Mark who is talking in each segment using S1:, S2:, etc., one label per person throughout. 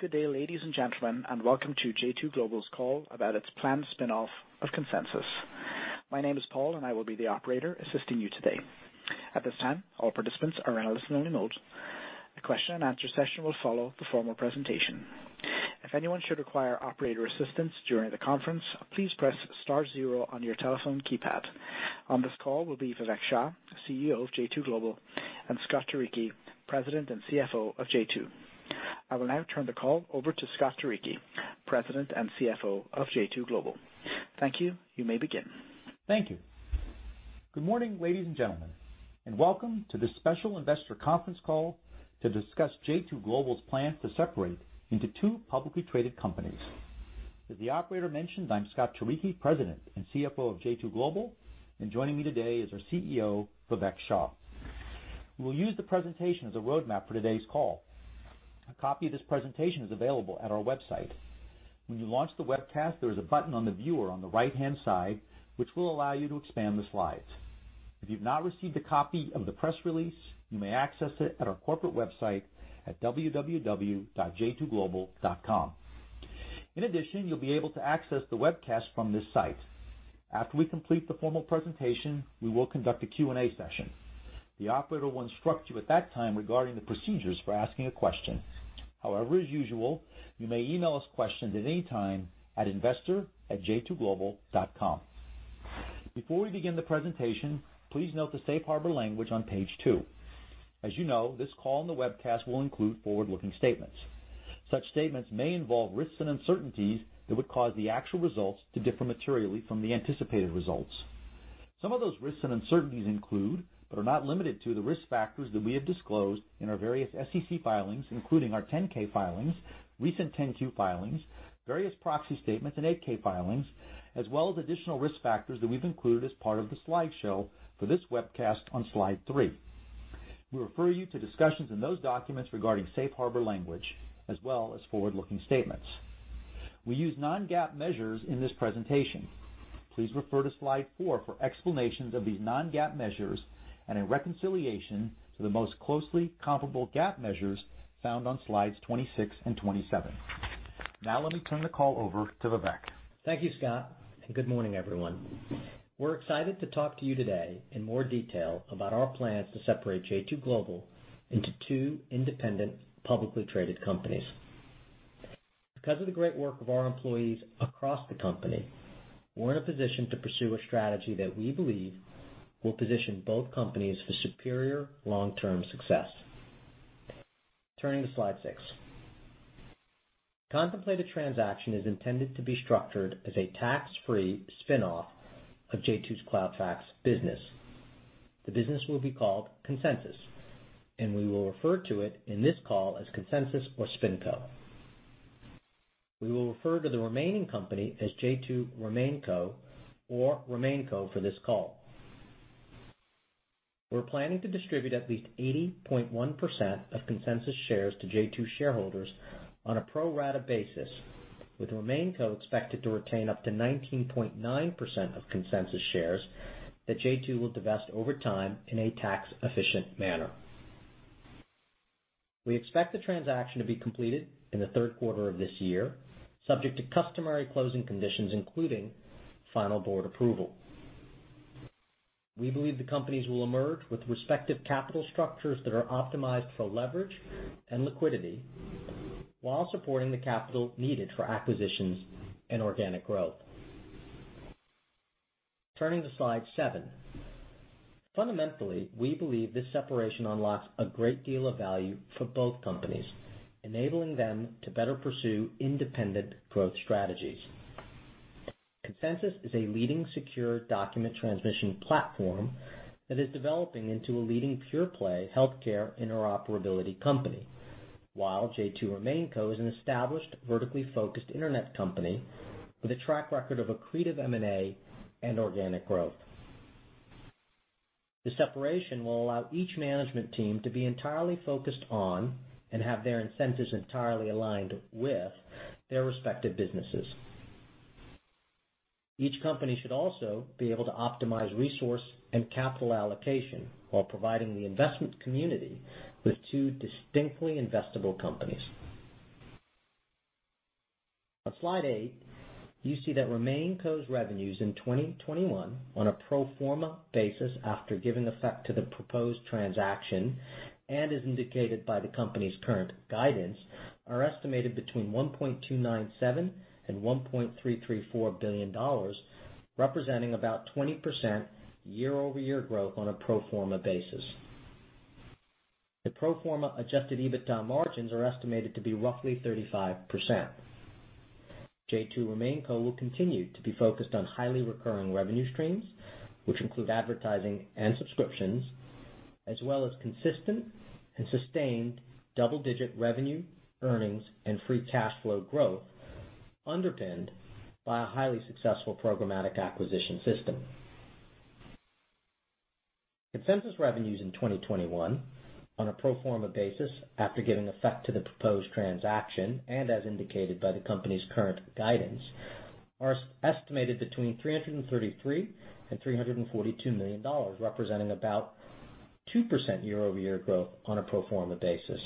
S1: Good day, ladies and gentlemen. Welcome to j2 Global's call about its planned spin-off of Consensus. My name is Paul. I will be the operator assisting you today. At this time, all participants are in a listen-only mode. A question and answer session will follow the formal presentation. If anyone should require operator assistance during the conference, please press star zero on your telephone keypad. On this call will be Vivek Shah, CEO of j2 Global, and Scott Turicchi, President and CFO of j2. I will now turn the call over to Scott Turicchi, President and CFO of j2 Global. Thank you. You may begin.
S2: Thank you. Good morning, ladies and gentlemen, and welcome to this special investor conference call to discuss j2 Global's plan to separate into two publicly traded companies. As the operator mentioned, I'm Scott Turicchi, President and CFO of j2 Global, and joining me today is our CEO, Vivek Shah. We'll use the presentation as a roadmap for today's call. A copy of this presentation is available at our website. When you launch the webcast, there is a button on the viewer on the right-hand side, which will allow you to expand the slides. If you've not received a copy of the press release, you may access it at our corporate website at www.j2global.com. In addition, you'll be able to access the webcast from this site. After we complete the formal presentation, we will conduct a Q&A session. The operator will instruct you at that time regarding the procedures for asking a question. However, as usual, you may email us questions at any time at investor@j2global.com. Before we begin the presentation, please note the safe harbor language on page two. As you know, this call and the webcast will include forward-looking statements. Such statements may involve risks and uncertainties that would cause the actual results to differ materially from the anticipated results. Some of those risks and uncertainties include, but are not limited to, the risk factors that we have disclosed in our various SEC filings, including our 10-K filings, recent 10-Q filings, various proxy statements, and 8-K filings, as well as additional risk factors that we've included as part of the slideshow for this webcast on slide three. We refer you to discussions in those documents regarding safe harbor language, as well as forward-looking statements. We use non-GAAP measures in this presentation. Please refer to slide four for explanations of these non-GAAP measures and a reconciliation to the most closely comparable GAAP measures found on slides 26 and 27. Now let me turn the call over to Vivek.
S3: Thank you, Scott, and good morning, everyone. We're excited to talk to you today in more detail about our plans to separate j2 Global into two independent, publicly traded companies. Because of the great work of our employees across the company, we're in a position to pursue a strategy that we believe will position both companies for superior long-term success. Turning to slide six. The contemplated transaction is intended to be structured as a tax-free spin-off of j2's CloudFax business. The business will be called Consensus, and we will refer to it in this call as Consensus or SpinCo. We will refer to the remaining company as j2 RemainCo or RemainCo for this call. We're planning to distribute at least 80.1% of Consensus shares to j2 shareholders on a pro rata basis, with RemainCo expected to retain up to 19.9% of Consensus shares that j2 will divest over time in a tax-efficient manner. We expect the transaction to be completed in the third quarter of this year, subject to customary closing conditions, including final board approval. We believe the companies will emerge with respective capital structures that are optimized for leverage and liquidity while supporting the capital needed for acquisitions and organic growth. Turning to slide seven. Fundamentally, we believe this separation unlocks a great deal of value for both companies, enabling them to better pursue independent growth strategies. Consensus is a leading secure document transmission platform that is developing into a leading pure play healthcare interoperability company. While j2 RemainCo is an established, vertically focused internet company with a track record of accretive M&A and organic growth. The separation will allow each management team to be entirely focused on and have their incentives entirely aligned with their respective businesses. Each company should also be able to optimize resource and capital allocation while providing the investment community with two distinctly investable companies. On slide eight, you see that RemainCo's revenues in 2021, on a pro forma basis after giving effect to the proposed transaction and as indicated by the company's current guidance, are estimated between $1.297 billion and $1.334 billion, representing about 20% year-over-year growth on a pro forma basis. The pro forma adjusted EBITDA margins are estimated to be roughly 35%. j2 RemainCo will continue to be focused on highly recurring revenue streams, which include advertising and subscriptions, as well as consistent and sustained double-digit revenue, earnings, and free cash flow growth, underpinned by a highly successful programmatic acquisition system. Consensus revenues in 2021, on a pro forma basis after giving effect to the proposed transaction and as indicated by the company's current guidance are estimated between $333 million and $342 million, representing about 2% year-over-year growth on a pro forma basis.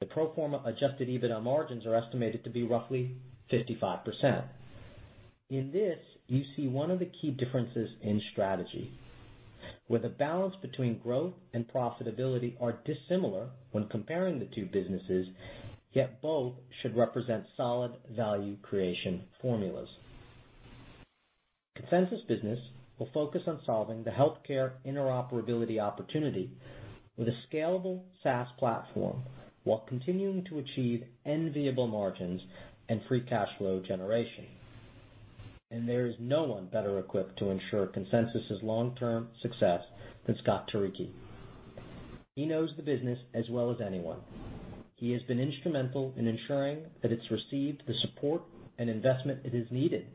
S3: The pro forma adjusted EBITDA margins are estimated to be roughly 55%. In this, you see one of the key differences in strategy, where the balance between growth and profitability are dissimilar when comparing the two businesses, yet both should represent solid value creation formulas. Consensus business will focus on solving the healthcare interoperability opportunity with a scalable SaaS platform while continuing to achieve enviable margins and free cash flow generation. There is no one better equipped to ensure Consensus's long-term success than Scott Turicchi. He knows the business as well as anyone. He has been instrumental in ensuring that it's received the support and investment it has needed,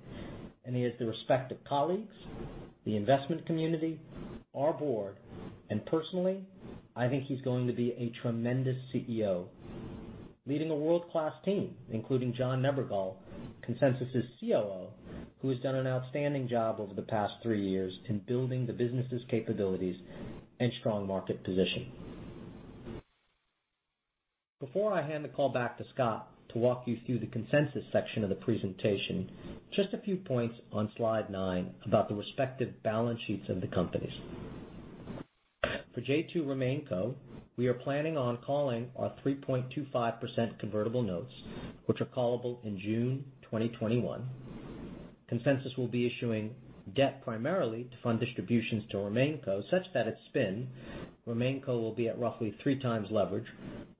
S3: and he has the respect of colleagues, the investment community, our board, and personally, I think he's going to be a tremendous CEO, leading a world-class team, including John Nebergall, Consensus's COO, who has done an outstanding job over the past three years in building the business's capabilities and strong market position. Before I hand the call back to Scott Turicchi to walk you through the Consensus section of the presentation, just a few points on slide nine about the respective balance sheets of the companies. For j2 RemainCo, we are planning on calling our 3.25% convertible notes, which are callable in June 2021. Consensus will be issuing debt primarily to fund distributions to RemainCo such that at spin, RemainCo will be at roughly three times leverage,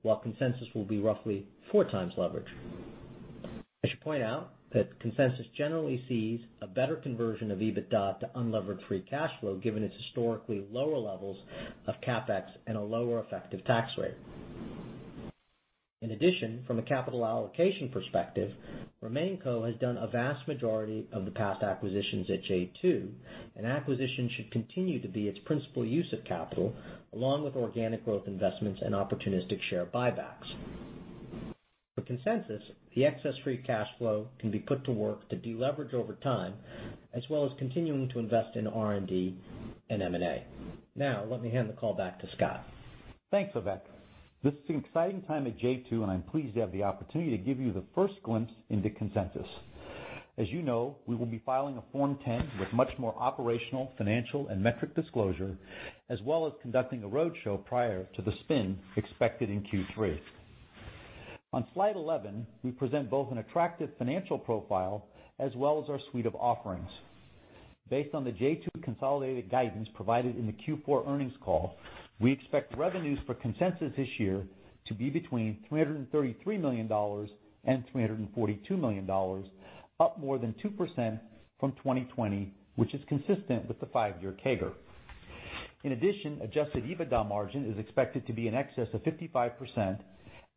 S3: while Consensus will be roughly four times leverage. I should point out that Consensus generally sees a better conversion of EBITDA to unlevered free cash flow given its historically lower levels of CapEx and a lower effective tax rate. In addition, from a capital allocation perspective, RemainCo has done a vast majority of the past acquisitions at j2, and acquisition should continue to be its principal use of capital, along with organic growth investments and opportunistic share buybacks. For Consensus, the excess free cash flow can be put to work to deleverage over time, as well as continuing to invest in R&D and M&A. Now, let me hand the call back to Scott.
S2: Thanks, Vivek. This is an exciting time at j2, and I'm pleased to have the opportunity to give you the first glimpse into Consensus. As you know, we will be filing a Form 10 with much more operational, financial, and metric disclosure, as well as conducting a roadshow prior to the spin expected in Q3. On slide 11, we present both an attractive financial profile as well as our suite of offerings. Based on the j2 consolidated guidance provided in the Q4 earnings call, we expect revenues for Consensus this year to be between $333 million and $342 million, up more than 2% from 2020, which is consistent with the five-year CAGR. In addition, adjusted EBITDA margin is expected to be in excess of 55%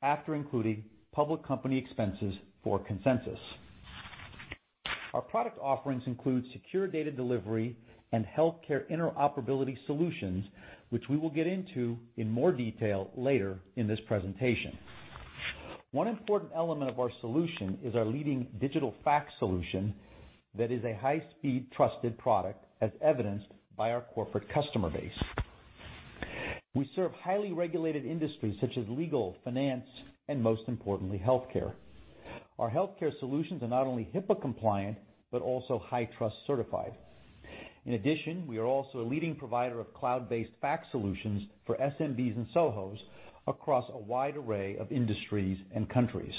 S2: after including public company expenses for Consensus. Our product offerings include secure data delivery and healthcare interoperability solutions, which we will get into in more detail later in this presentation. One important element of our solution is our leading digital fax solution that is a high-speed trusted product, as evidenced by our corporate customer base. We serve highly regulated industries such as legal, finance, and most importantly, healthcare. Our healthcare solutions are not only HIPAA compliant, but also HITRUST certified. In addition, we are also a leading provider of cloud-based fax solutions for SMBs and SOHOs across a wide array of industries and countries.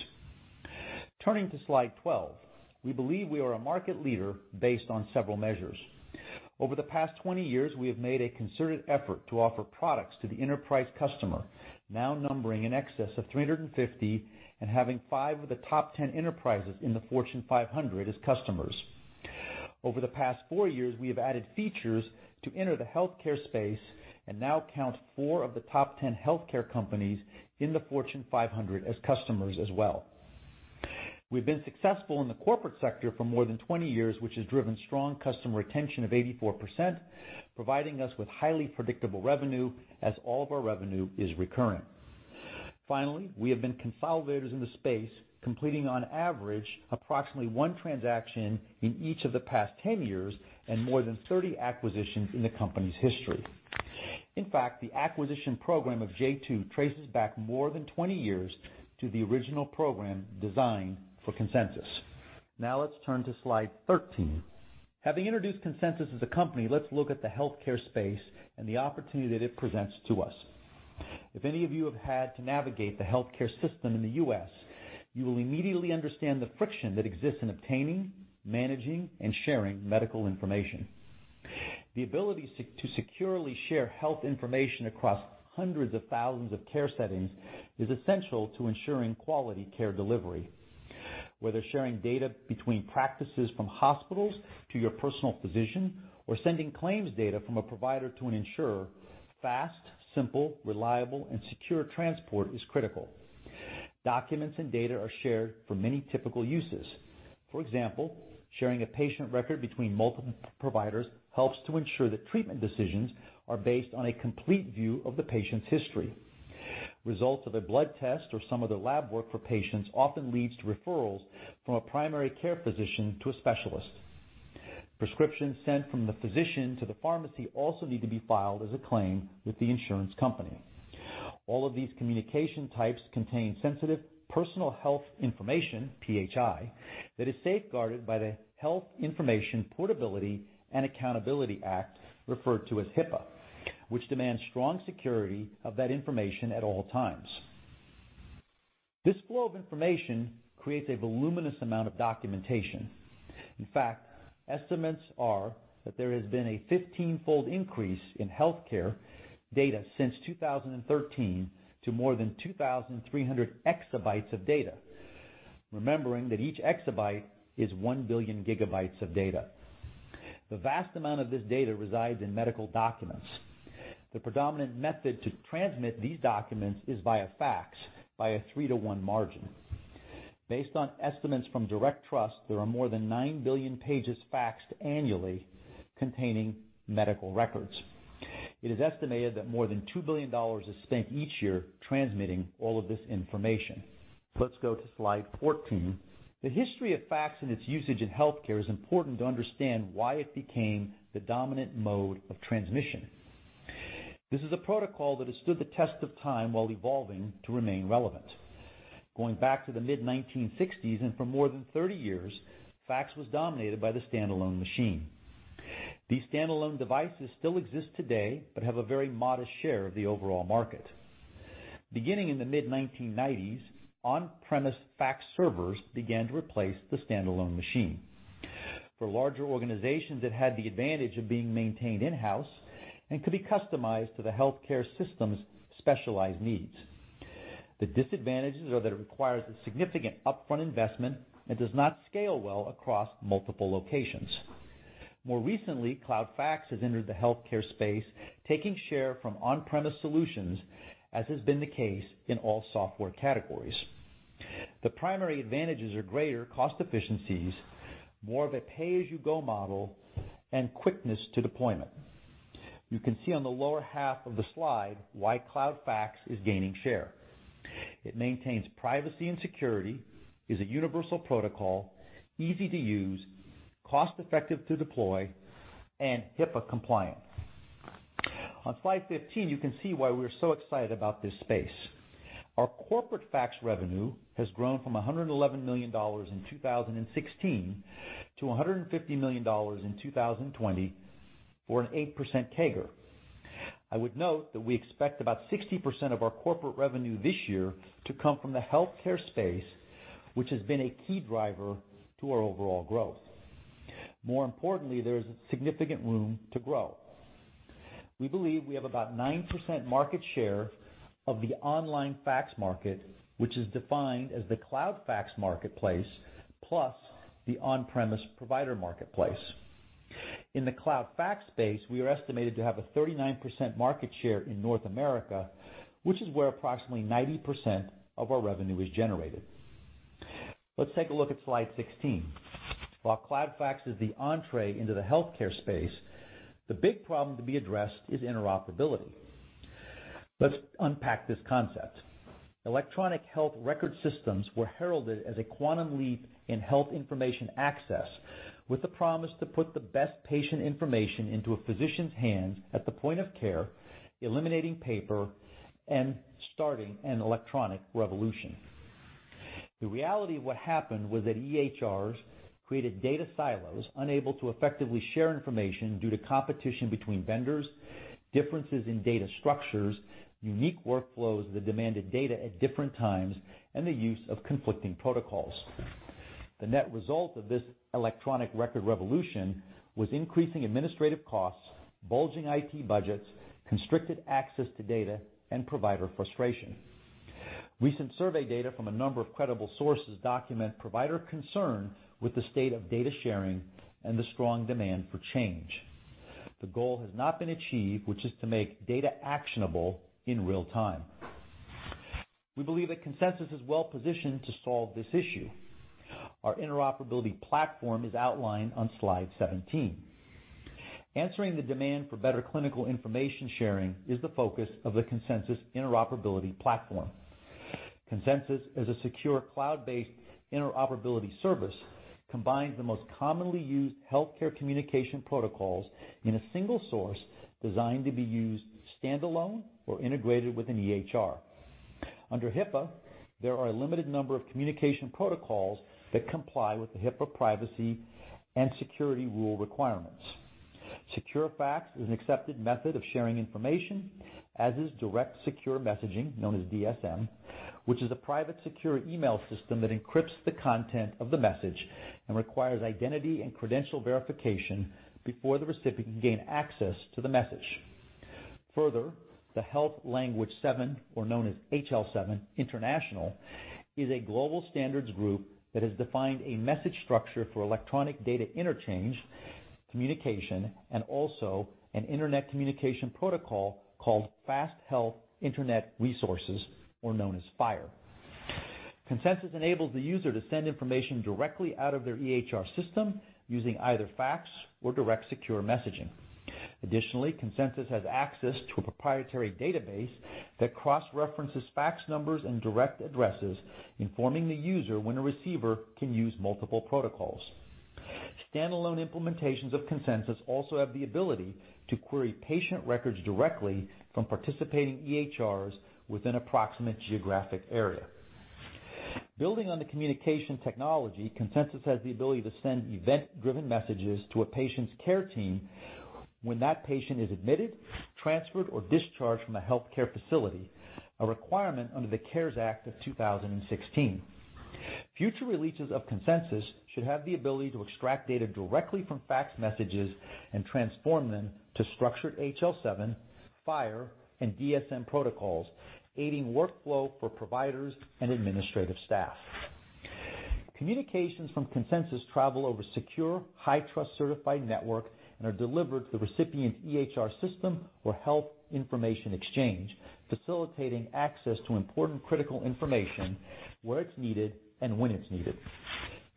S2: Turning to slide 12, we believe we are a market leader based on several measures. Over the past 20 years, we have made a concerted effort to offer products to the enterprise customer, now numbering in excess of 350 and having five of the top 10 enterprises in the Fortune 500 as customers. Over the past four years, we have added features to enter the healthcare space and now count four of the top 10 healthcare companies in the Fortune 500 as customers as well. We've been successful in the corporate sector for more than 20 years, which has driven strong customer retention of 84%, providing us with highly predictable revenue as all of our revenue is recurring. Finally, we have been consolidators in the space, completing on average approximately one transaction in each of the past 10 years and more than 30 acquisitions in the company's history. In fact, the acquisition program of j2 traces back more than 20 years to the original program designed for Consensus. Let's turn to slide 13. Having introduced Consensus as a company, let's look at the healthcare space and the opportunity that it presents to us. If any of you have had to navigate the healthcare system in the U.S., you will immediately understand the friction that exists in obtaining, managing, and sharing medical information. The ability to securely share health information across hundreds of thousands of care settings is essential to ensuring quality care delivery. Whether sharing data between practices from hospitals to your personal physician or sending claims data from a provider to an insurer, fast, simple, reliable, and secure transport is critical. Documents and data are shared for many typical uses. For example, sharing a patient record between multiple providers helps to ensure that treatment decisions are based on a complete view of the patient's history. Results of a blood test or some other lab work for patients often leads to referrals from a primary care physician to a specialist. Prescriptions sent from the physician to the pharmacy also need to be filed as a claim with the insurance company. All of these communication types contain sensitive personal health information, PHI, that is safeguarded by the Health Insurance Portability and Accountability Act, referred to as HIPAA, which demands strong security of that information at all times. This flow of information creates a voluminous amount of documentation. In fact, estimates are that there has been a 15-fold increase in healthcare data since 2013 to more than 2,300 exabytes of data. Remembering that each exabyte is 1 billion GB of data. The vast amount of this data resides in medical documents. The predominant method to transmit these documents is via fax by a 3:1 margin. Based on estimates from DirectTrust, there are more than 9 billion pages faxed annually containing medical records. It is estimated that more than $2 billion is spent each year transmitting all of this information. Let's go to slide 14. The history of fax and its usage in healthcare is important to understand why it became the dominant mode of transmission. This is a protocol that has stood the test of time while evolving to remain relevant. Going back to the mid-1960s and for more than 30 years, fax was dominated by the standalone machine. These standalone devices still exist today but have a very modest share of the overall market. Beginning in the mid-1990s, on-premise fax servers began to replace the standalone machine. For larger organizations, it had the advantage of being maintained in-house and could be customized to the healthcare system's specialized needs. The disadvantages are that it requires a significant upfront investment and does not scale well across multiple locations. More recently, cloud fax has entered the healthcare space, taking share from on-premise solutions, as has been the case in all software categories. The primary advantages are greater cost efficiencies, more of a pay-as-you-go model, and quickness to deployment. You can see on the lower half of the slide why cloud fax is gaining share. It maintains privacy and security, is a universal protocol, easy to use, cost-effective to deploy, and HIPAA-compliant. On slide 15, you can see why we're so excited about this space. Our corporate fax revenue has grown from $111 million in 2016-$150 million in 2020 for an 8% CAGR. I would note that we expect about 60% of our corporate revenue this year to come from the healthcare space, which has been a key driver to our overall growth. More importantly, there is significant room to grow. We believe we have about 9% market share of the online fax market, which is defined as the CloudFax marketplace plus the on-premise provider marketplace. In the CloudFax space, we are estimated to have a 39% market share in North America, which is where approximately 90% of our revenue is generated. Let's take a look at slide 16. While CloudFax is the entrée into the healthcare space, the big problem to be addressed is interoperability. Let's unpack this concept. Electronic health record systems were heralded as a quantum leap in health information access with the promise to put the best patient information into a physician's hands at the point of care, eliminating paper and starting an electronic revolution. The reality of what happened was that EHRs created data silos unable to effectively share information due to competition between vendors, differences in data structures, unique workflows that demanded data at different times, and the use of conflicting protocols. The net result of this electronic record revolution was increasing administrative costs, bulging IT budgets, constricted access to data, and provider frustration. Recent survey data from a number of credible sources document provider concern with the state of data sharing and the strong demand for change. The goal has not been achieved, which is to make data actionable in real-time. We believe that Consensus is well-positioned to solve this issue. Our interoperability platform is outlined on slide 17. Answering the demand for better clinical information sharing is the focus of the Consensus interoperability platform. Consensus is a secure cloud-based interoperability service, combines the most commonly used healthcare communication protocols in a single source designed to be used standalone or integrated with an EHR. Under HIPAA, there are a limited number of communication protocols that comply with the HIPAA privacy and security rule requirements. Secure fax is an accepted method of sharing information, as is direct secure messaging, known as DSM, which is a private secure email system that encrypts the content of the message and requires identity and credential verification before the recipient can gain access to the message. Further, the Health Level Seven, or known as HL7 International, is a global standards group that has defined a message structure for electronic data interchange communication and also an internet communication protocol called Fast Healthcare Interoperability Resources, or known as FHIR. Consensus enables the user to send information directly out of their EHR system using either fax or direct secure messaging. Additionally, Consensus has access to a proprietary database that cross-references fax numbers and direct addresses, informing the user when a receiver can use multiple protocols. Standalone implementations of Consensus also have the ability to query patient records directly from participating EHRs within a proximate geographic area. Building on the communication technology, Consensus has the ability to send event-driven messages to a patient's care team when that patient is admitted, transferred, or discharged from a healthcare facility, a requirement under the Cures Act of 2016. Future releases of Consensus should have the ability to extract data directly from fax messages and transform them to structured HL7, FHIR, and DSM protocols, aiding workflow for providers and administrative staff. Communications from Consensus travel over secure, HITRUST certified network and are delivered to the recipient's EHR system or health information exchange, facilitating access to important critical information where it's needed and when it's needed.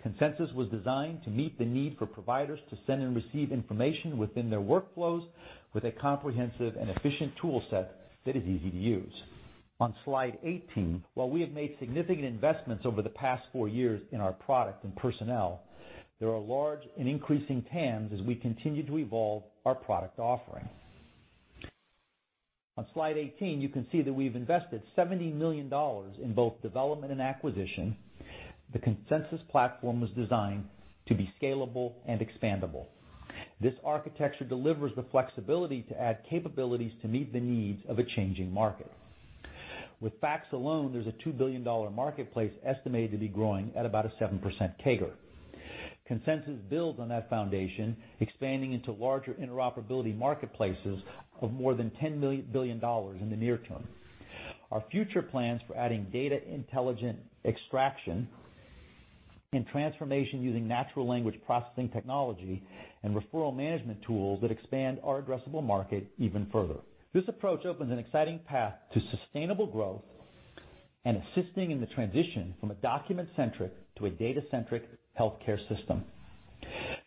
S2: Consensus was designed to meet the need for providers to send and receive information within their workflows with a comprehensive and efficient tool set that is easy to use. On slide 18, while we have made significant investments over the past four years in our product and personnel, there are large and increasing TAMs as we continue to evolve our product offering. On slide 18, you can see that we've invested $70 million in both development and acquisition. The Consensus platform was designed to be scalable and expandable. This architecture delivers the flexibility to add capabilities to meet the needs of a changing market. With fax alone, there's a $2 billion marketplace estimated to be growing at about a 7% CAGR. Consensus builds on that foundation, expanding into larger interoperability marketplaces of more than $10 billion in the near term. Our future plans for adding data-intelligent extraction and transformation using natural language processing technology and referral management tools that expand our addressable market even further. This approach opens an exciting path to sustainable growth and assisting in the transition from a document-centric to a data-centric healthcare system.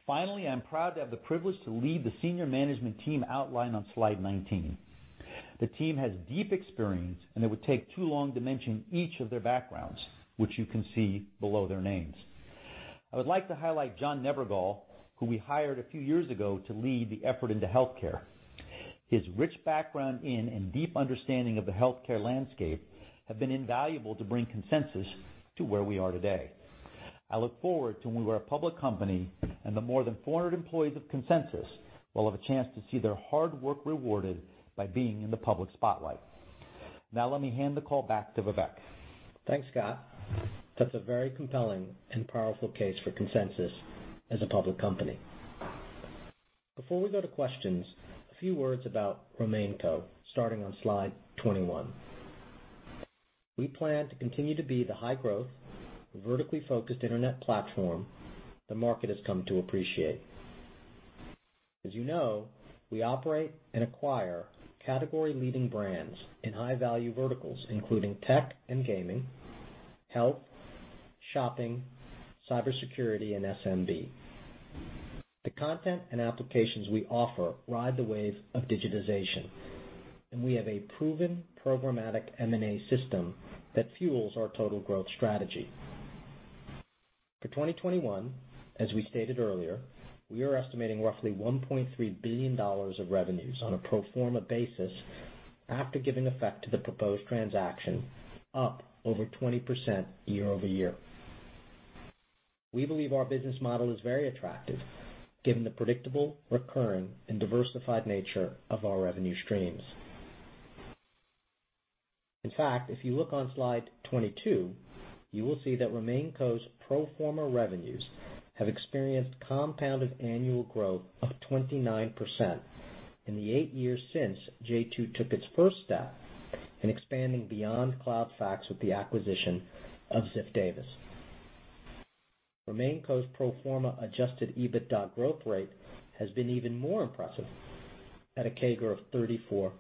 S2: Finally, I'm proud to have the privilege to lead the senior management team outlined on slide 19. The team has deep experience, and it would take too long to mention each of their backgrounds, which you can see below their names. I would like to highlight John Nebergall, who we hired a few years ago to lead the effort into healthcare. His rich background in and deep understanding of the healthcare landscape have been invaluable to bring Consensus to where we are today. I look forward to when we're a public company and the more than 400 employees of Consensus will have a chance to see their hard work rewarded by being in the public spotlight. Let me hand the call back to Vivek.
S3: Thanks, Scott. That's a very compelling and powerful case for Consensus as a public company. Before we go to questions, a few words about RemainCo, starting on slide 21. We plan to continue to be the high-growth, vertically-focused internet platform the market has come to appreciate. As you know, we operate and acquire category-leading brands in high-value verticals, including tech and gaming, health, shopping, cybersecurity, and SMB. The content and applications we offer ride the wave of digitization, and we have a proven programmatic M&A system that fuels our total growth strategy. For 2021, as we stated earlier, we are estimating roughly $1.3 billion of revenues on a pro forma basis after giving effect to the proposed transaction, up over 20% year-over-year. We believe our business model is very attractive given the predictable, recurring, and diversified nature of our revenue streams. In fact, if you look on slide 22, you will see that RemainCo's pro forma revenues have experienced compounded annual growth of 29% in the eight years since j2 took its first step in expanding beyond CloudFax with the acquisition of Ziff Davis. RemainCo's pro forma adjusted EBITDA growth rate has been even more impressive, at a CAGR of 34%.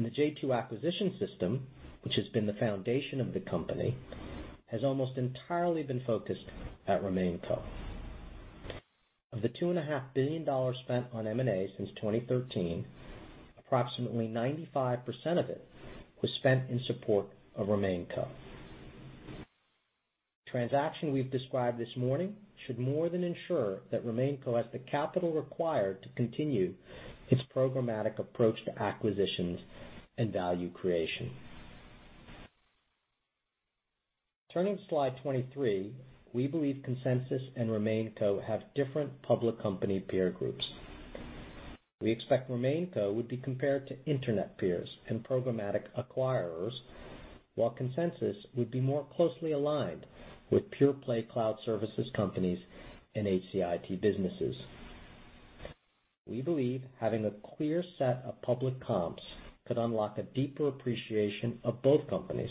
S3: The j2 acquisition system, which has been the foundation of the company, has almost entirely been focused at RemainCo. Of the $2.5 billion spent on M&A since 2013, approximately 95% of it was spent in support of RemainCo. The transaction we've described this morning should more than ensure that RemainCo has the capital required to continue its programmatic approach to acquisitions and value creation. Turning to slide 23, we believe Consensus and RemainCo have different public company peer groups. We expect RemainCo would be compared to internet peers and programmatic acquirers, while Consensus would be more closely aligned with pure play cloud services companies and HCIT businesses. We believe having a clear set of public comps could unlock a deeper appreciation of both companies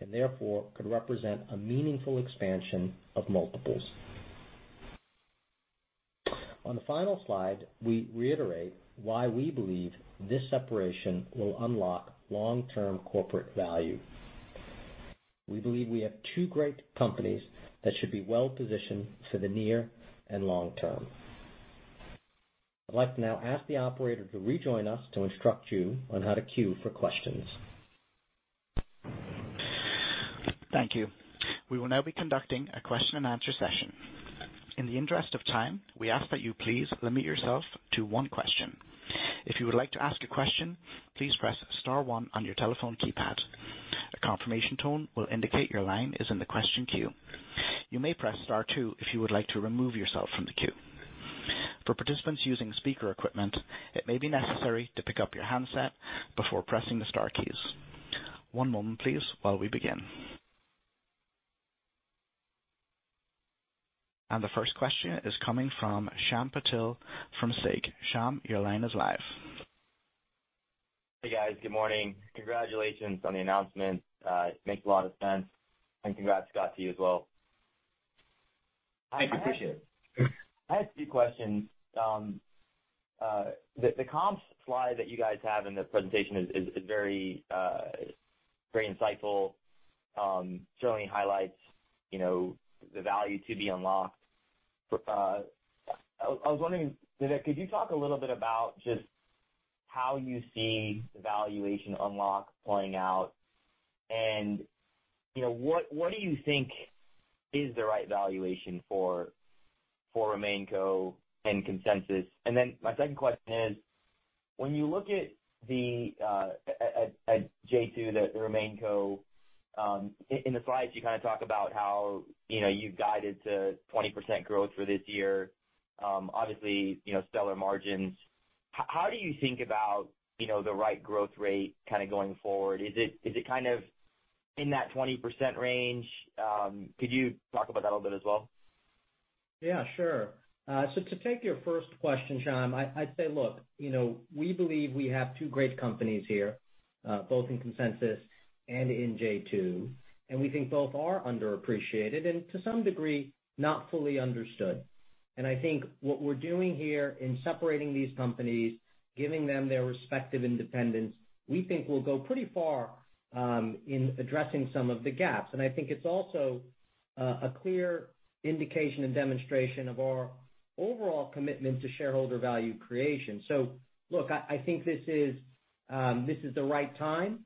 S3: and therefore could represent a meaningful expansion of multiples. On the final slide, we reiterate why we believe this separation will unlock long-term corporate value. We believe we have two great companies that should be well-positioned for the near and long term. I'd like to now ask the operator to rejoin us to instruct you on how to queue for questions.
S1: Thank you. We will now be conducting a question and answer session. In the interest of time, we ask that you please limit yourself to one question. If you would like to ask a question, please press star one on your telephone keypad. A confirmation tone will indicate your line is in the question queue. You may press star two if you would like to remove yourself from the queue. For participants using speaker equipment, it may be necessary to pick up your handset before pressing the star keys. One moment please, while we begin. The first question is coming from Shyam Patil from SIG. Shyam, your line is live.
S4: Hey, guys. Good morning. Congratulations on the announcement. It makes a lot of sense. Congrats, Scott, to you as well.
S2: Thank you. Appreciate it.
S4: I have a few questions. The comps slide that you guys have in the presentation is very insightful, certainly highlights the value to be unlocked. I was wondering, Vivek, could you talk a little bit about just how you see the valuation unlock playing out and what do you think is the right valuation for RemainCo and Consensus? My second question is, when you look at j2, the RemainCo, in the slides, you talk about how you've guided to 20% growth for this year. Obviously, stellar margins. How do you think about the right growth rate going forward? Is it in that 20% range? Could you talk about that a little bit as well?
S3: Yeah, sure. To take your first question, Shyam, I'd say, look, we believe we have two great companies here, both in Consensus and in j2, and we think both are underappreciated and to some degree, not fully understood. I think what we're doing here in separating these companies, giving them their respective independence, we think will go pretty far in addressing some of the gaps. I think it's also a clear indication and demonstration of our overall commitment to shareholder value creation. Look, I think this is the right time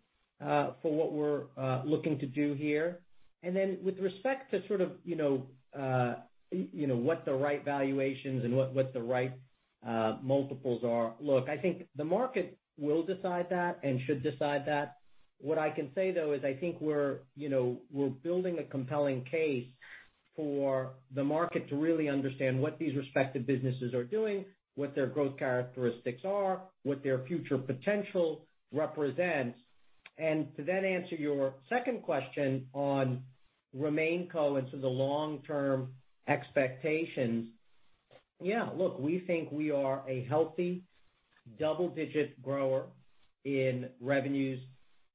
S3: for what we're looking to do here. With respect to what the right valuations and what the right multiples are, look, I think the market will decide that and should decide that. What I can say, though, is I think we're building a compelling case for the market to really understand what these respective businesses are doing, what their growth characteristics are, what their future potential represents. To then answer your second question on RemainCo into the long-term expectations. Yeah. Look, we think we are a healthy double-digit grower in revenues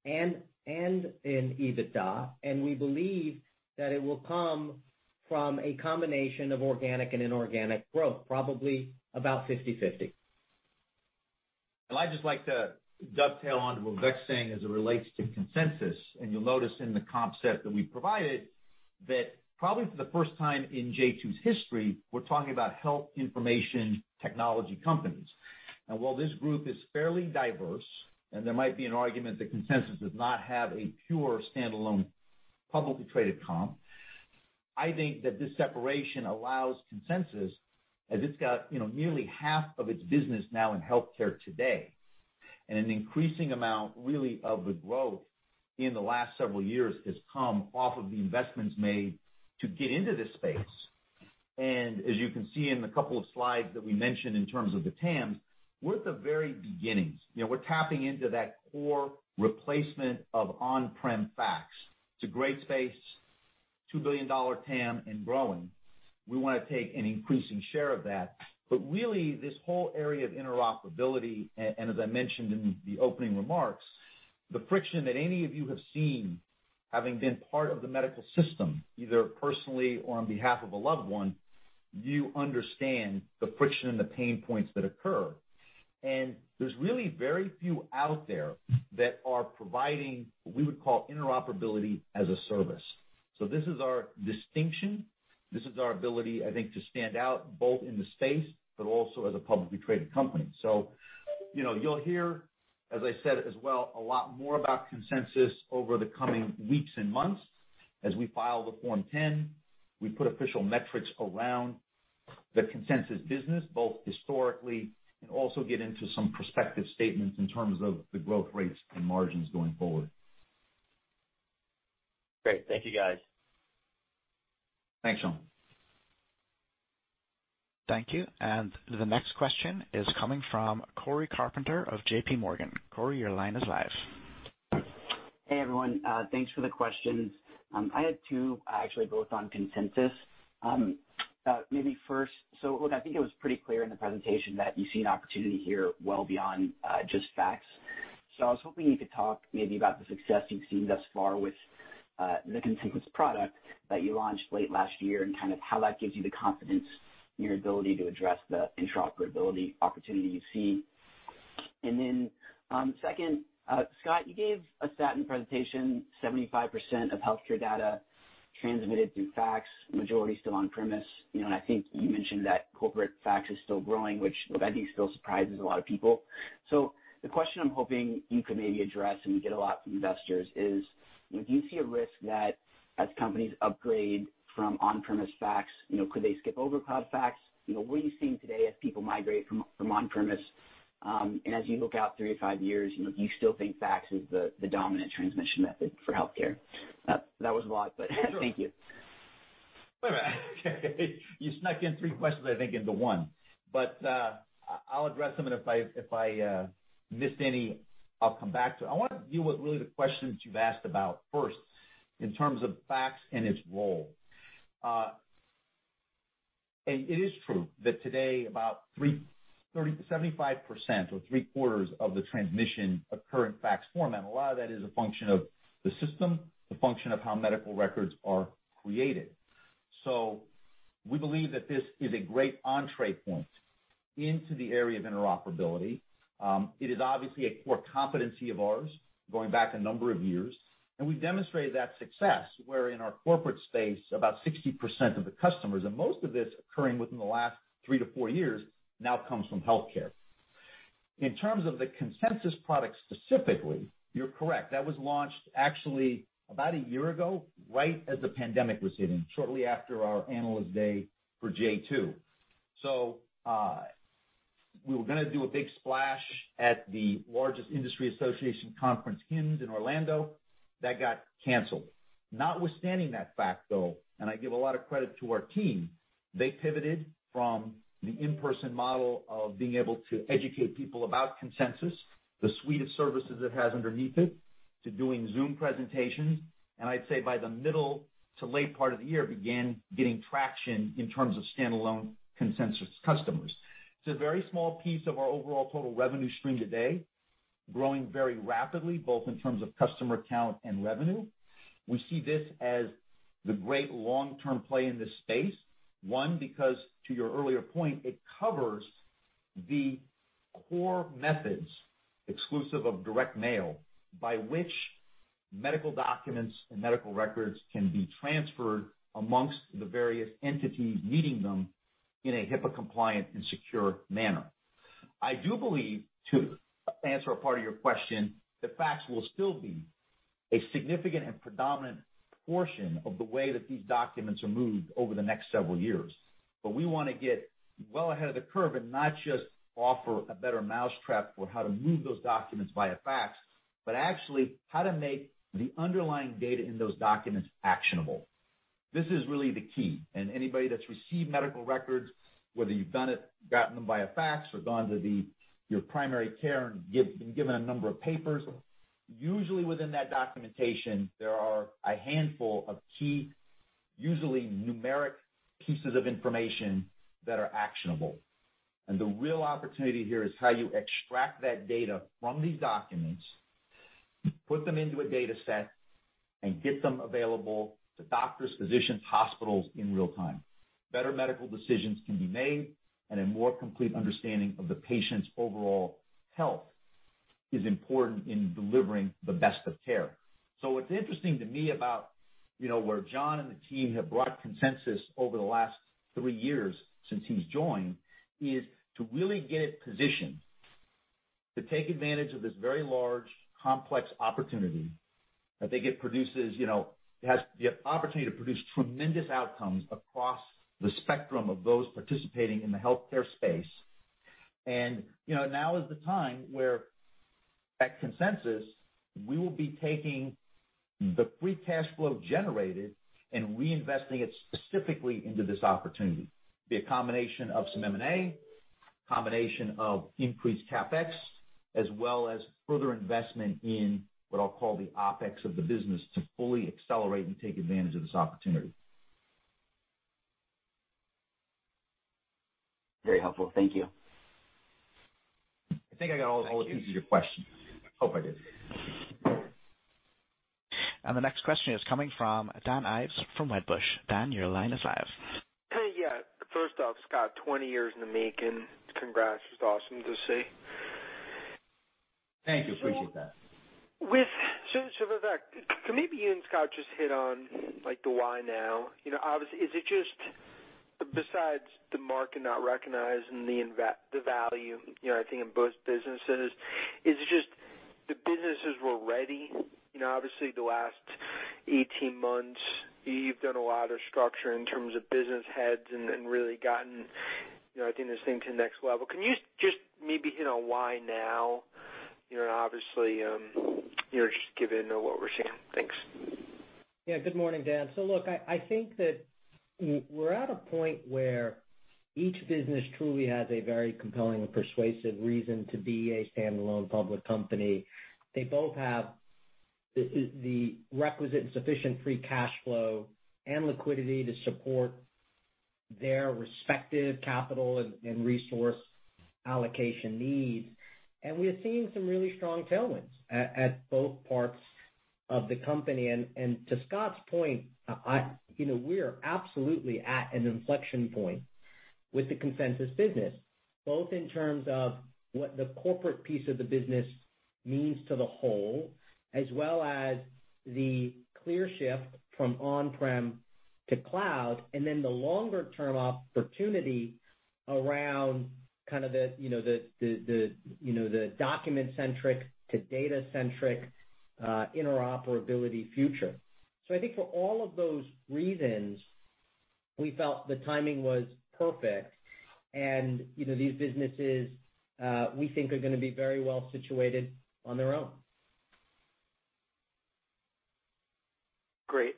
S3: and in EBITDA, and we believe that it will come from a combination of organic and inorganic growth, probably about 50/50.
S2: I'd just like to dovetail onto what Vivek's saying as it relates to Consensus, and you'll notice in the comp set that we provided, that probably for the first time in j2's history, we're talking about health information technology companies. While this group is fairly diverse, and there might be an argument that Consensus does not have a pure standalone, publicly traded comp, I think that this separation allows Consensus, as it's got nearly half of its business now in healthcare today, and an increasing amount, really, of the growth in the last several years has come off of the investments made to get into this space. As you can see in the couple of slides that we mentioned in terms of the TAMs, we're at the very beginnings. We're tapping into that core replacement of on-prem fax. It's a great space, $2 billion TAM and growing. We want to take an increasing share of that. Really, this whole area of interoperability, and as I mentioned in the opening remarks, the friction that any of you have seen having been part of the medical system, either personally or on behalf of a loved one, you understand the friction and the pain points that occur. There's really very few out there that are providing, what we would call interoperability as a service. This is our distinction. This is our ability, I think, to stand out both in the space, but also as a publicly traded company. You'll hear, as I said as well, a lot more about Consensus over the coming weeks and months as we file the Form 10, we put official metrics around the Consensus business, both historically and also get into some prospective statements in terms of the growth rates and margins going forward.
S4: Great. Thank you, guys.
S2: Thanks, Shyam.
S1: Thank you. The next question is coming from Cory Carpenter of JPMorgan. Cory, your line is live.
S5: Hey, everyone. Thanks for the questions. I had two, actually, both on Consensus. Maybe first, look, I think it was pretty clear in the presentation that you see an opportunity here well beyond just fax. I was hoping you could talk maybe about the success you've seen thus far with the Consensus product that you launched late last year, and how that gives you the confidence in your ability to address the interoperability opportunity you see. Second, Scott, you gave a stat in presentation, 75% of healthcare data transmitted through fax, majority still on-premise. I think you mentioned that corporate fax is still growing, which I think still surprises a lot of people. The question I'm hoping you could maybe address, and we get a lot from investors is, do you see a risk that as companies upgrade from on-premise fax, could they skip over cloud fax? What are you seeing today as people migrate from on-premise? As you look out three to five years, do you still think fax is the dominant transmission method for healthcare? That was a lot, but thank you.
S2: You snuck in three questions, I think, into one. I'll address them, and if I missed any, I'll come back to it. I want to deal with really the question that you've asked about first in terms of fax and its role. It is true that today about 75% or three-quarters of the transmission occur in fax format, and a lot of that is a function of the system, the function of how medical records are created. We believe that this is a great entree point into the area of interoperability. It is obviously a core competency of ours going back a number of years, and we've demonstrated that success, where in our corporate space, about 60% of the customers, and most of this occurring within the last three to four years, now comes from healthcare. In terms of the Consensus product specifically, you're correct. That was launched actually about a year ago, right as the pandemic was hitting, shortly after our analyst day for j2. We were going to do a big splash at the largest industry association conference, HIMSS in Orlando. That got canceled. Notwithstanding that fact, though, and I give a lot of credit to our team, they pivoted from the in-person model of being able to educate people about Consensus, the suite of services it has underneath it, to doing Zoom presentations, and I'd say by the middle to late part of the year, began getting traction in terms of standalone Consensus customers. It's a very small piece of our overall total revenue stream today, growing very rapidly, both in terms of customer count and revenue. We see this as the great long-term play in this space. One, because to your earlier point, it covers the core methods exclusive of direct mail by which medical documents and medical records can be transferred amongst the various entities needing them in a HIPAA-compliant and secure manner. I do believe, to answer a part of your question, that fax will still be a significant and predominant portion of the way that these documents are moved over the next several years. But we want to get well ahead of the curve and not just offer a better mousetrap for how to move those documents via fax, but actually how to make the underlying data in those documents actionable. This is really the key, and anybody that's received medical records, whether you've done it, gotten them via fax or gone to your primary care and been given a number of papers, usually within that documentation, there are a handful of key, usually numeric pieces of information that are actionable. The real opportunity here is how you extract that data from these documents, put them into a dataset, and get them available to doctors, physicians, hospitals in real time. Better medical decisions can be made, and a more complete understanding of the patient's overall health is important in delivering the best of care. What's interesting to me about where John and the team have brought Consensus over the last three years since he's joined, is to really get it positioned to take advantage of this very large, complex opportunity that they get. It has the opportunity to produce tremendous outcomes across the spectrum of those participating in the healthcare space. Now is the time where, at Consensus, we will be taking the free cash flow generated and reinvesting it specifically into this opportunity. It will be a combination of some M&A, combination of increased CapEx, as well as further investment in what I'll call the OpEx of the business to fully accelerate and take advantage of this opportunity.
S5: Very helpful. Thank you.
S2: I think I got all the pieces of your question. Hope I did.
S1: The next question is coming from Dan Ives from Wedbush. Dan, your line is live.
S6: Yeah. First off, Scott, 20 years in the making. Congrats, it's awesome to see.
S2: Thank you. Appreciate that.
S6: With that, can maybe you and Scott just hit on, like, the why now? Obviously, is it just besides the market not recognizing the value, I think in both businesses, is it just the businesses were ready? Obviously, the last 18 months, you've done a lot of structure in terms of business heads and really gotten this thing to the next level. Can you just maybe hit on why now? Obviously, just given what we're seeing. Thanks.
S3: Good morning, Dan. Look, I think that we're at a point where each business truly has a very compelling and persuasive reason to be a standalone public company. They both have the requisite and sufficient free cash flow and liquidity to support their respective capital and resource allocation needs. We are seeing some really strong tailwinds at both parts of the company. To Scott's point, we're absolutely at an inflection point with the Consensus business, both in terms of what the corporate piece of the business means to the whole, as well as the clear shift from on-prem to cloud, and then the longer-term opportunity around the document-centric to data-centric interoperability future. I think for all of those reasons, we felt the timing was perfect, and these businesses, we think are going to be very well situated on their own.
S6: Great.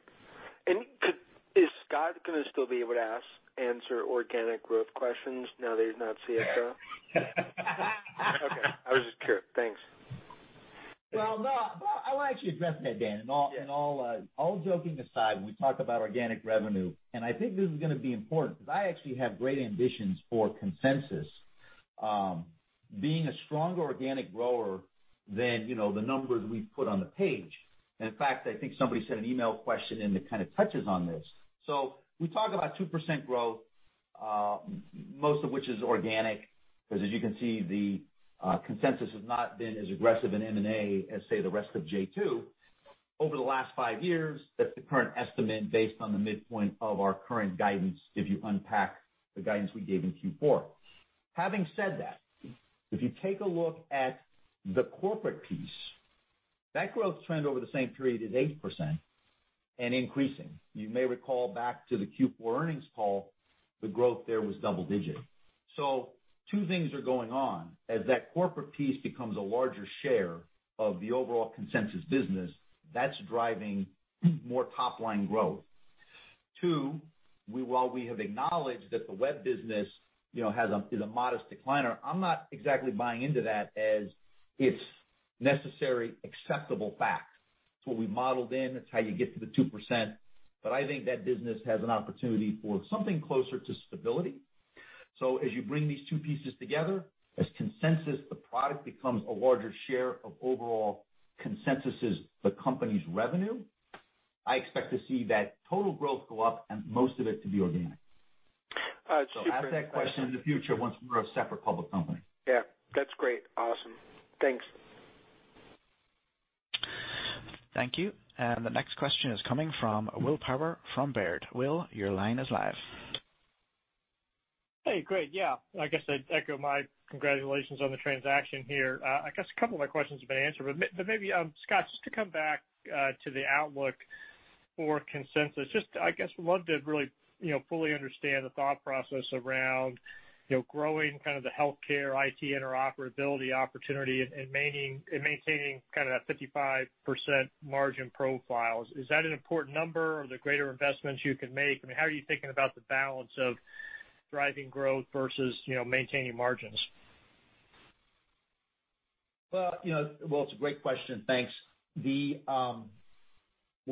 S6: Is Scott going to still be able to answer organic growth questions now that he's not CFO? Okay, I was just curious. Thanks.
S2: Well, no. I want to actually address that, Dan.
S6: Yeah.
S2: All joking aside, when we talk about organic revenue, I think this is going to be important because I actually have great ambitions for Consensus being a stronger organic grower than the numbers we've put on the page. In fact, I think somebody sent an email question in that kind of touches on this. We talk about 2% growth, most of which is organic. Because as you can see, Consensus has not been as aggressive in M&A as, say, the rest of j2. Over the last five years, that's the current estimate based on the midpoint of our current guidance if you unpack the guidance we gave in Q4. Having said that, if you take a look at the corporate piece, that growth trend over the same period is 8% and increasing. You may recall back to the Q4 earnings call, the growth there was double digits. Two things are going on. As that corporate piece becomes a larger share of the overall Consensus business, that's driving more top-line growth. Two, while we have acknowledged that the web business is a modest decliner, I'm not exactly buying into that as its necessary, acceptable facts. It's what we modeled in. That's how you get to the 2%. I think that business has an opportunity for something closer to stability. As you bring these two pieces together, as Consensus the product becomes a larger share of overall Consensus' the company's revenue, I expect to see that total growth go up and most of it to be organic.
S6: Super.
S2: Ask that question in the future once we're a separate public company.
S6: Yeah. That's great. Awesome. Thanks.
S1: Thank you. The next question is coming from Will Power from Baird. Will, your line is live.
S7: Hey, great. Yeah. I guess I'd echo my congratulations on the transaction here. I guess a couple of my questions have been answered, but maybe, Scott, just to come back to the outlook for Consensus. Just, I guess, would love to really fully understand the thought process around growing kind of the healthcare IT interoperability opportunity and maintaining kind of that 55% margin profile. Is that an important number? Are there greater investments you can make? I mean, how are you thinking about the balance of driving growth versus maintaining margins?
S2: Well, it's a great question. Thanks. What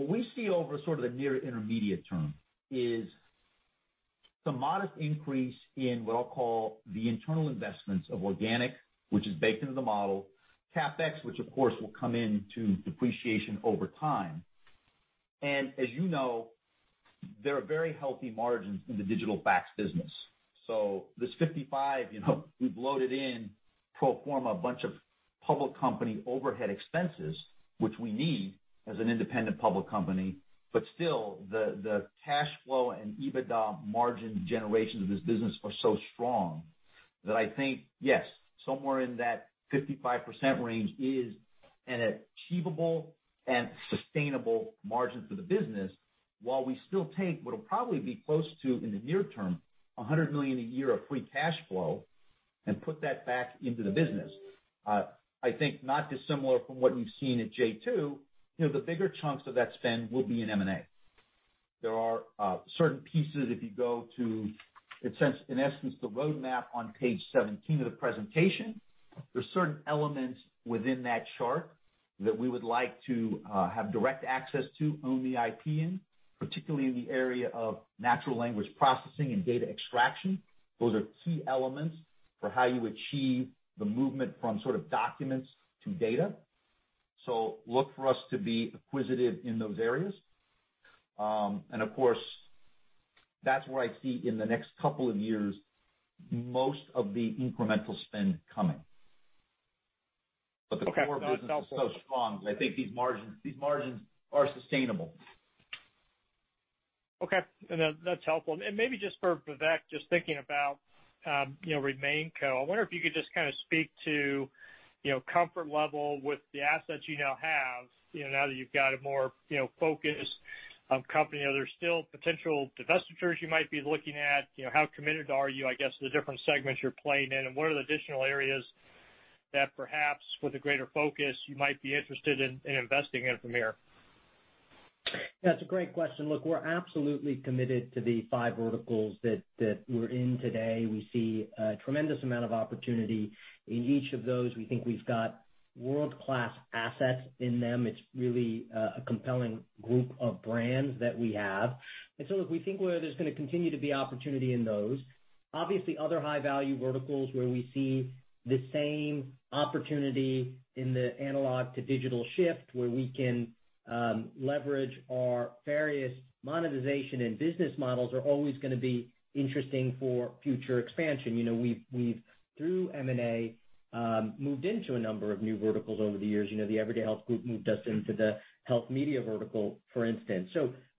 S2: we see over sort of the near intermediate term is some modest increase in what I'll call the internal investments of organic, which is baked into the model, CapEx, which of course will come into depreciation over time. As you know, there are very healthy margins in the digital fax business. This 55%, we've loaded in pro forma a bunch of public company overhead expenses, which we need as an independent public company. Still, the cash flow and EBITDA margin generations of this business are so strong that I think, yes, somewhere in that 55% range is an achievable and sustainable margin for the business, while we still take what will probably be close to, in the near term, $100 million a year of free cash flow and put that back into the business. I think not dissimilar from what you've seen at j2, the bigger chunks of that spend will be in M&A. There are certain pieces if you go to, in essence, the roadmap on page 17 of the presentation. There's certain elements within that chart that we would like to have direct access to, own the IP in, particularly in the area of natural language processing and data extraction. Those are key elements for how you achieve the movement from sort of documents to data. Look for us to be acquisitive in those areas. Of course, that's where I see in the next couple of years, most of the incremental spend coming.
S7: Okay. No, that's helpful.
S2: The core business is so strong that I think these margins are sustainable.
S7: Okay. No, that's helpful. Maybe just for Vivek, just thinking about RemainCo. I wonder if you could just kind of speak to comfort level with the assets you now have, now that you've got a more focused company. Are there still potential divestitures you might be looking at? How committed are you, I guess, to the different segments you're playing in, and what are the additional areas that perhaps with a greater focus you might be interested in investing in from here?
S3: That's a great question. Look, we're absolutely committed to the five verticals that we're in today. We see a tremendous amount of opportunity in each of those. We think we've got world-class assets in them. It's really a compelling group of brands that we have. Look, we think where there's going to continue to be opportunity in those. Obviously, other high-value verticals where we see the same opportunity in the analog-to-digital shift, where we can leverage our various monetization and business models, are always going to be interesting for future expansion. We've, through M&A, moved into a number of new verticals over the years. The Everyday Health group moved us into the health media vertical, for instance.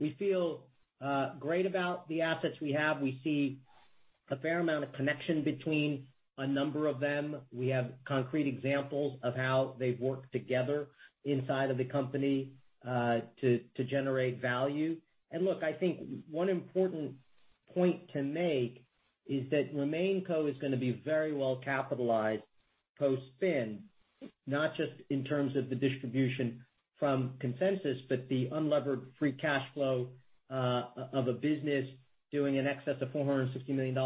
S3: We feel great about the assets we have. We see a fair amount of connection between a number of them. We have concrete examples of how they've worked together inside of the company to generate value. Look, I think one important point to make is that RemainCo is going to be very well capitalized post-spin, not just in terms of the distribution from Consensus, but the unlevered free cash flow of a business doing in excess of $460 million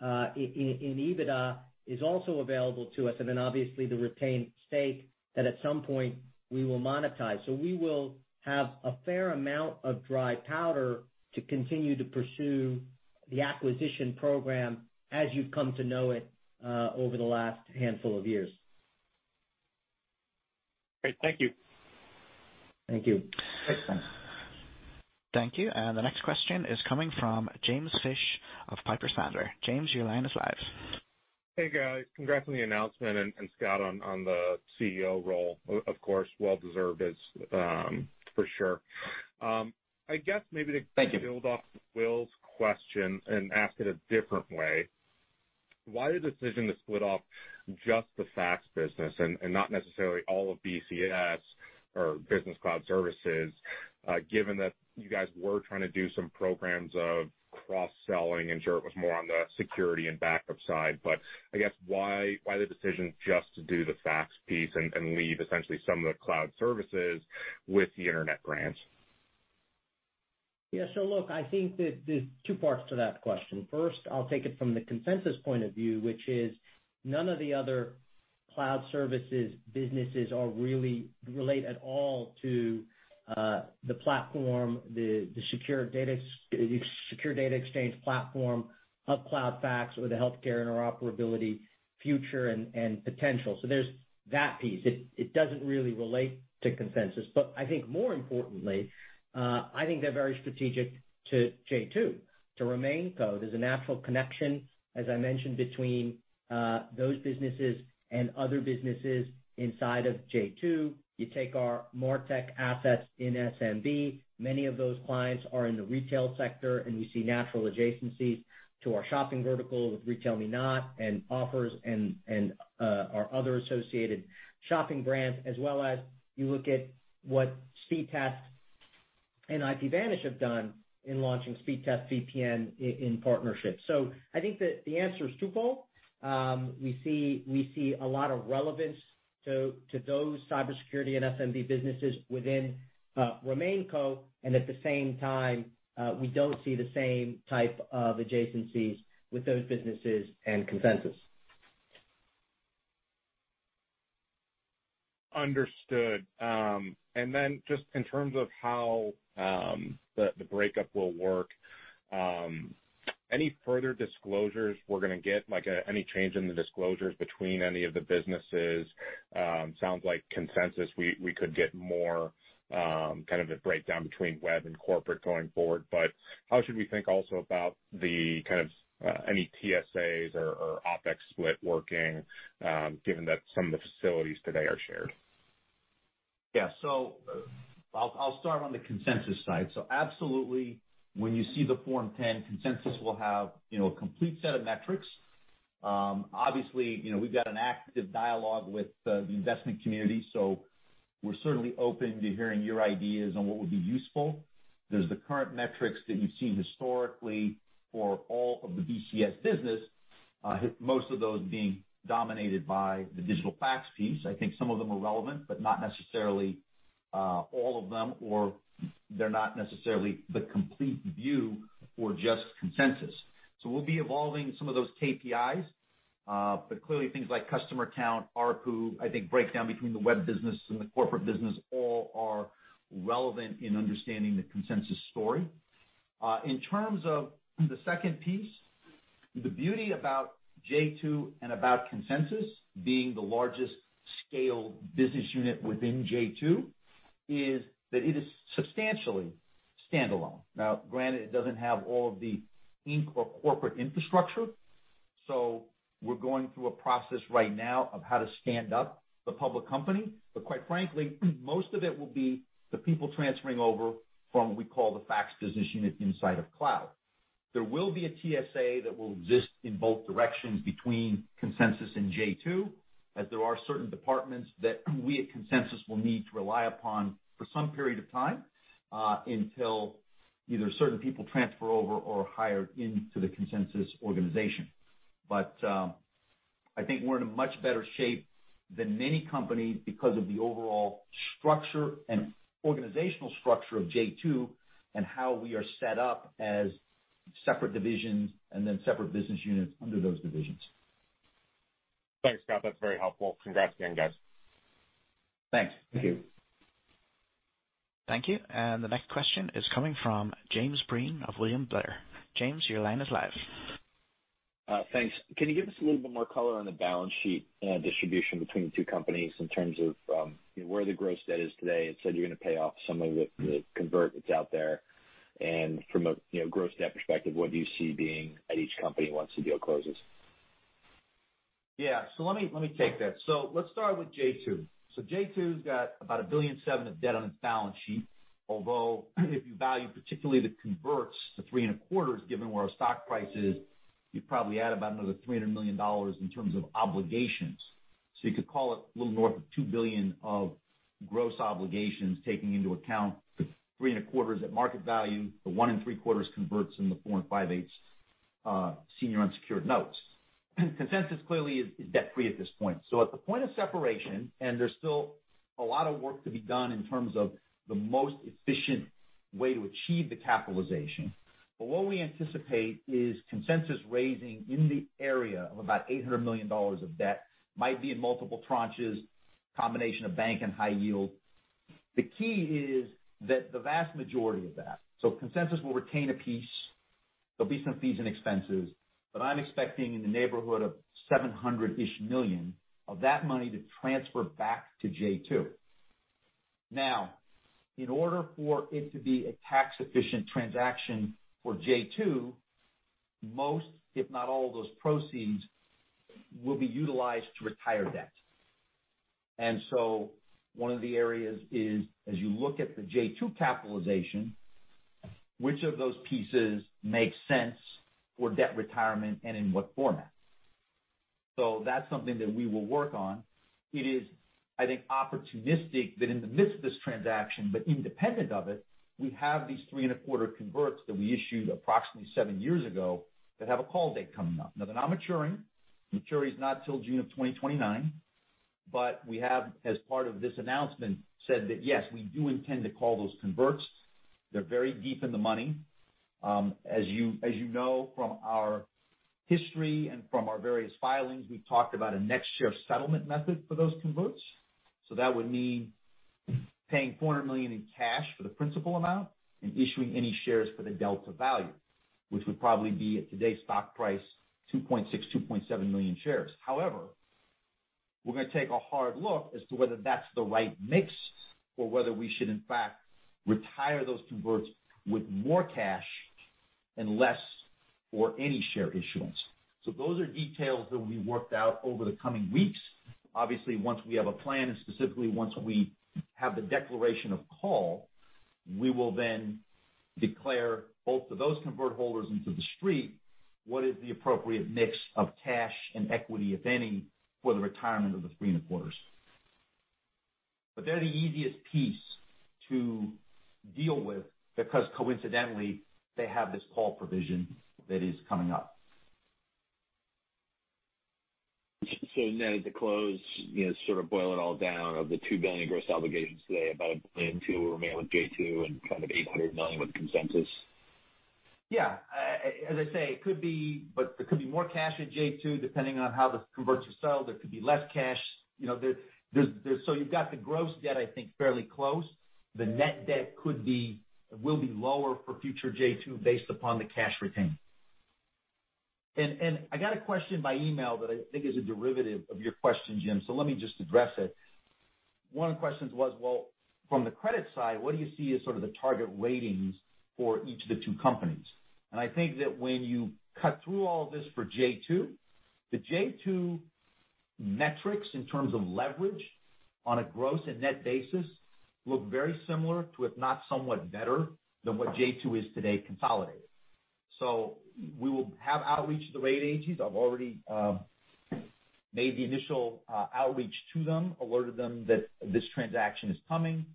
S3: in EBITDA is also available to us. Obviously the retained stake that at some point we will monetize. We will have a fair amount of dry powder to continue to pursue the acquisition program as you've come to know it over the last handful of years.
S7: Great. Thank you.
S3: Thank you.
S1: Thank you. The next question is coming from James Fish of Piper Sandler. James, your line is live.
S8: Hey, guys. Congrats on the announcement, and Scott, on the CEO role. Of course, well deserved for sure.
S2: Thank you.
S8: I guess maybe to build off of Will's question and ask it a different way, why the decision to split off just the fax business and not necessarily all of BCS or Business Cloud Services, given that you guys were trying to do some programs of cross-selling? I'm sure it was more on the security and backup side. I guess why the decision just to do the fax piece and leave essentially some of the cloud services with the Internet brands?
S3: Look, I think that there's two parts to that question. First, I'll take it from the Consensus point of view, which is none of the other cloud services businesses relate at all to the platform, the secure data exchange platform of CloudFax or the healthcare interoperability future and potential. There's that piece. It doesn't really relate to Consensus. I think more importantly, I think they're very strategic to j2. To RemainCo, there's a natural connection, as I mentioned, between those businesses and other businesses inside of j2. You take our MarTech assets in SMB, many of those clients are in the retail sector, and we see natural adjacencies to our shopping vertical with RetailMeNot and Offers.com and our other associated shopping brands, as well as you look at what Speedtest and IPVanish have done in launching Speedtest VPN in partnership. I think that the answer is twofold. We see a lot of relevance to those cybersecurity and SMB businesses within RemainCo, and at the same time, we don't see the same type of adjacencies with those businesses and Consensus.
S8: Understood. Just in terms of how the breakup will work, any further disclosures we're going to get? Any change in the disclosures between any of the businesses? Sounds like Consensus, we could get more of a breakdown between Web and Corporate going forward. How should we think also about any TSAs or OpEx split working, given that some of the facilities today are shared?
S2: Yeah. I'll start on the Consensus side. Absolutely, when you see the Form 10, Consensus will have a complete set of metrics. Obviously, we've got an active dialogue with the investment community, we're certainly open to hearing your ideas on what would be useful. There's the current metrics that you've seen historically for all of the BCS business, most of those being dominated by the digital fax piece. I think some of them are relevant, not necessarily all of them, they're not necessarily the complete view for just Consensus. We'll be evolving some of those KPIs. Clearly things like customer count, ARPU, I think breakdown between the Web business and the Corporate business all are relevant in understanding the Consensus story. In terms of the second piece, the beauty about j2 and about Consensus being the largest scale business unit within j2 is that it is substantially standalone. Granted, it doesn't have all of the Inc. or corporate infrastructure. We're going through a process right now of how to stand up the public company. Quite frankly, most of it will be the people transferring over from what we call the fax business unit inside of CloudFax. There will be a TSA that will exist in both directions between Consensus and j2, as there are certain departments that we at Consensus will need to rely upon for some period of time, until either certain people transfer over or are hired into the Consensus organization. I think we're in a much better shape than many companies because of the overall structure and organizational structure of j2 and how we are set up as separate divisions and then separate business units under those divisions.
S8: Thanks, Scott. That's very helpful. Congrats again, guys.
S2: Thank you.
S1: Thank you. The next question is coming from James Breen of William Blair. James, your line is live.
S9: Thanks. Can you give us a little bit more color on the balance sheet and distribution between the two companies in terms of where the gross debt is today? You said you're going to pay off some of the convert that's out there. From a gross debt perspective, what do you see being at each company once the deal closes?
S2: Let me take that. Let's start with j2. j2's got about $1.7 billion of debt on its balance sheet, although if you value particularly the converts to three and a quarters, given where our stock price is, you probably add about another $300 million in terms of obligations. You could call it a little north of $2 billion of gross obligations, taking into account the three and a quarters at market value, the one and three quarters converts in the four and five-eighths senior unsecured notes. Consensus clearly is debt-free at this point. At the point of separation, and there's still a lot of work to be done in terms of the most efficient way to achieve the capitalization. What we anticipate is Consensus raising in the area of about $800 million of debt, might be in multiple tranches, combination of bank and high yield. The key is that the vast majority of that. Consensus will retain a piece. There'll be some fees and expenses, but I'm expecting in the neighborhood of $700-ish million of that money to transfer back to j2. In order for it to be a tax-efficient transaction for j2, most, if not all of those proceeds, will be utilized to retire debt. One of the areas is, as you look at the j2 capitalization, which of those pieces make sense for debt retirement and in what format? That's something that we will work on. It is, I think, opportunistic that in the midst of this transaction, but independent of it, we have these three-and-a-quarter converts that we issued approximately seven years ago that have a call date coming up. They're not maturing. Maturity is not till June of 2029. We have, as part of this announcement, said that, yes, we do intend to call those converts. They're very deep in the money. As you know from our history and from our various filings, we've talked about a next share settlement method for those converts. That would mean paying $400 million in cash for the principal amount and issuing any shares for the delta value, which would probably be at today's stock price, 2.6 million-2.7 million shares. We're going to take a hard look as to whether that's the right mix or whether we should in fact retire those converts with more cash and less or any share issuance. Those are details that will be worked out over the coming weeks. Obviously, once we have a plan, and specifically once we have the declaration of call, we will then declare both to those convert holders and to the street what is the appropriate mix of cash and equity, if any, for the retirement of the three and a quarters. They're the easiest piece to deal with because coincidentally, they have this call provision that is coming up.
S9: Net at the close, sort of boil it all down, of the $2 billion gross obligations today, about $1.2 billion will remain with j2 and kind of $800 million with Consensus?
S2: Yeah. As I say, there could be more cash at j2, depending on how the converts are settled. There could be less cash. You've got the gross debt, I think, fairly close. The net debt will be lower for future j2 based upon the cash retained. I got a question by email that I think is a derivative of your question, Jim, so let me just address it. One of the questions was, well, from the credit side, what do you see as sort of the target ratings for each of the two companies? I think that when you cut through all of this for j2, the j2 metrics in terms of leverage on a gross and net basis look very similar to, if not somewhat better than what j2 is today consolidated. We will have outreach to the rating agencies. I've already made the initial outreach to them, alerted them that this transaction is coming.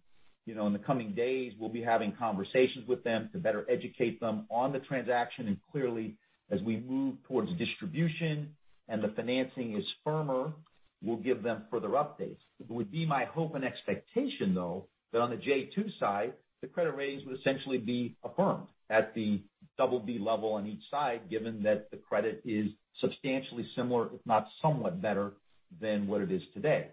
S2: In the coming days, we'll be having conversations with them to better educate them on the transaction. Clearly, as we move towards distribution and the financing is firmer, we'll give them further updates. It would be my hope and expectation, though, that on the j2 side, the credit ratings would essentially be affirmed at the BB level on each side, given that the credit is substantially similar, if not somewhat better than what it is today.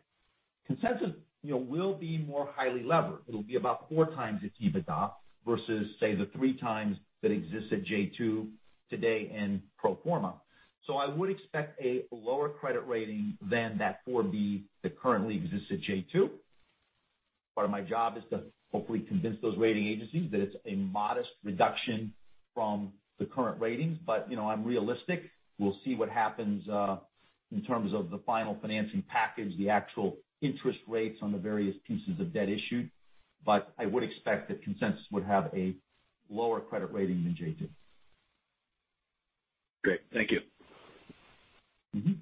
S2: Consensus will be more highly levered. It'll be about four times its EBITDA versus, say, the three times that exists at j2 today in pro forma. I would expect a lower credit rating than that BB that currently exists at j2. Part of my job is to hopefully convince those rating agencies that it's a modest reduction from the current ratings. I'm realistic. We'll see what happens in terms of the final financing package, the actual interest rates on the various pieces of debt issued. I would expect that Consensus would have a lower credit rating than j2.
S9: Great. Thank you.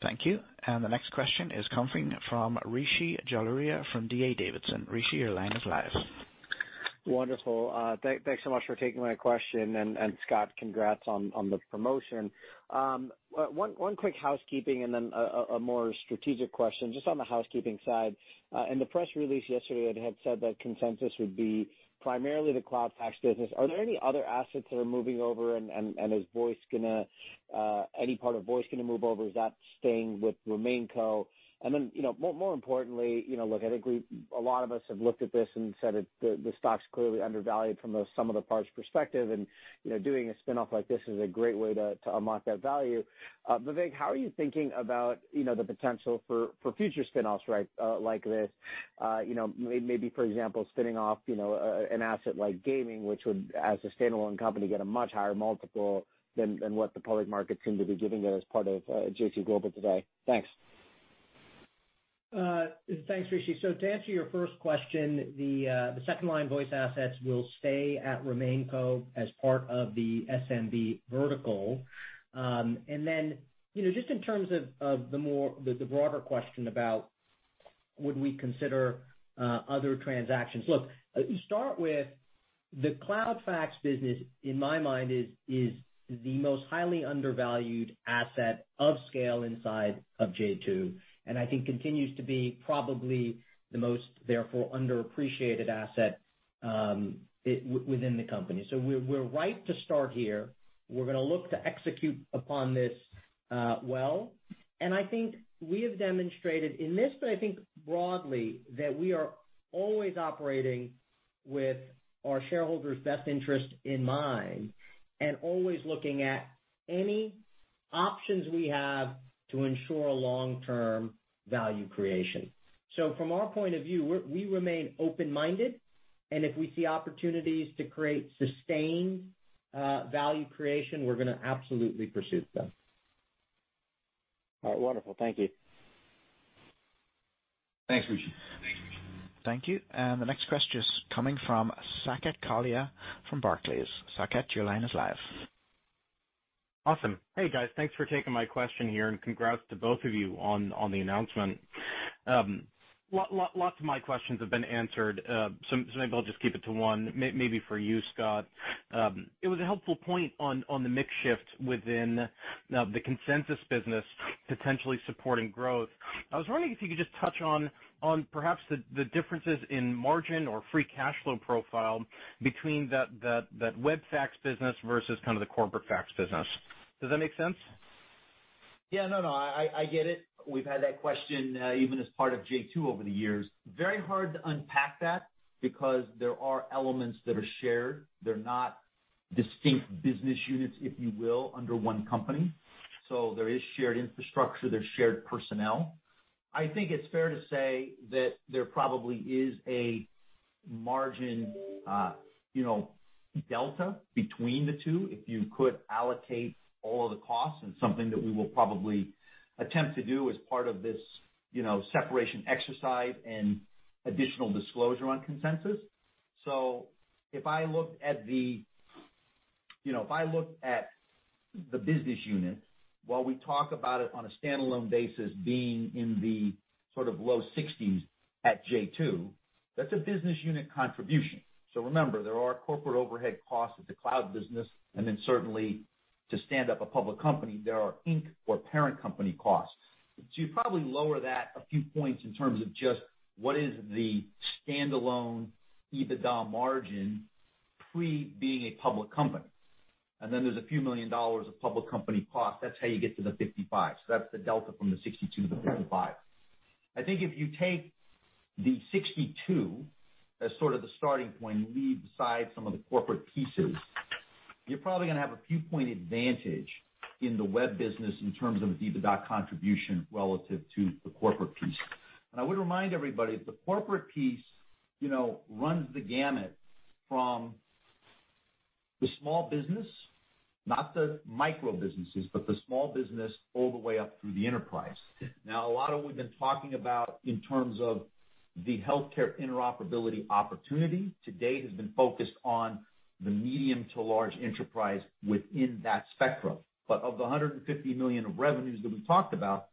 S1: Thank you. The next question is coming from Rishi Jaluria from D.A. Davidson. Rishi, your line is live.
S10: Wonderful. Thanks so much for taking my question, Scott, congrats on the promotion. One quick housekeeping, then a more strategic question. Just on the housekeeping side. In the press release yesterday, it had said that Consensus would be primarily the CloudFax business. Are there any other assets that are moving over, is any part of Voice going to move over? Is that staying with RemainCo? More importantly, look, I think a lot of us have looked at this and said that the stock's clearly undervalued from the sum of the parts perspective, doing a spin-off like this is a great way to unlock that value. Vivek, how are you thinking about the potential for future spin-offs like this? Maybe, for example, spinning off an asset like gaming, which would, as a standalone company, get a much higher multiple than what the public markets seem to be giving it as part of j2 Global today. Thanks.
S3: Thanks, Rishi. To answer your first question, the second-line voice assets will stay at RemainCo as part of the SMB vertical. Just in terms of the broader question about would we consider other transactions. Look, start with the CloudFax business, in my mind, is the most highly undervalued asset of scale inside of j2, I think continues to be probably the most therefore underappreciated asset within the company. We're right to start here. We're going to look to execute upon this well. I think we have demonstrated in this, I think broadly, that we are always operating with our shareholders' best interest in mind, always looking at any options we have to ensure long-term value creation. From our point of view, we remain open-minded, if we see opportunities to create sustained value creation, we're going to absolutely pursue them.
S10: All right. Wonderful. Thank you.
S3: Thanks, Rishi.
S1: Thank you. The next question is coming from Saket Kalia from Barclays. Saket, your line is live.
S11: Awesome. Hey, guys. Thanks for taking my question here, and congrats to both of you on the announcement. Lots of my questions have been answered, so maybe I'll just keep it to one, maybe for you, Scott. It was a helpful point on the mix shift within the Consensus business potentially supporting growth. I was wondering if you could just touch on perhaps the differences in margin or free cash flow profile between that CloudFax business versus the corporate fax business. Does that make sense?
S2: Yeah. No, I get it. We've had that question even as part of j2 over the years. Very hard to unpack that because there are elements that are shared. They're not distinct business units, if you will, under one company. There is shared infrastructure, there's shared personnel. I think it's fair to say that there probably is a margin delta between the two, if you could allocate all of the costs. And something that we will probably attempt to do as part of this separation exercise and additional disclosure on Consensus. If I look at the business unit, while we talk about it on a standalone basis being in the sort of low 60s at j2, that's a business unit contribution. Remember, there are corporate overhead costs of the cloud business, and then certainly to stand up a public company, there are parent company costs. You probably lower that a few points in terms of just what is the standalone EBITDA margin pre being a public company. Then there's a few million dollars of public company costs. That's how you get to the 55. That's the delta from the 62 to the 55. I think if you take the 62 as sort of the starting point and leave aside some of the corporate pieces, you're probably going to have a few point advantage in the web business in terms of its EBITDA contribution relative to the corporate piece. I would remind everybody that the corporate piece runs the gamut from the small business, not the micro businesses, but the small business all the way up through the enterprise. Now, a lot of what we've been talking about in terms of the healthcare interoperability opportunity to date has been focused on the medium to large enterprise within that spectrum. Of the $150 million of revenues that we talked about,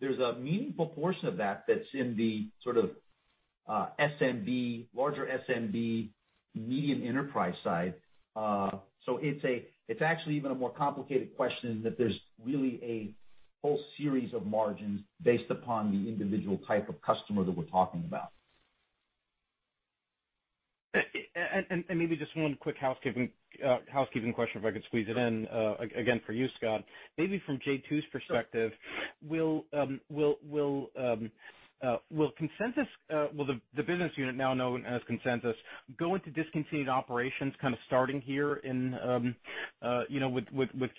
S2: there's a meaningful portion of that that's in the sort of larger SMB, medium enterprise side. It's actually even a more complicated question that there's really a whole series of margins based upon the individual type of customer that we're talking about.
S11: Maybe just one quick housekeeping question, if I could squeeze it in, again, for you, Scott. Maybe from j2's perspective, will the business unit now known as Consensus go into discontinued operations kind of starting here in with